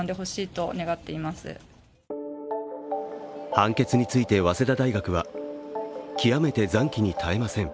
判決について早稲田大学は極めてざんきに堪えません。